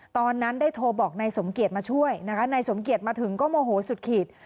ตอนนั้นได้โทรบอกนายสมเกียจมาช่วยนะคะนายสมเกียจมาถึงก็โมโหสุดขีด